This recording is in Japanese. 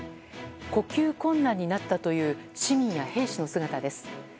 呼吸困難になったという市民や兵士の姿です。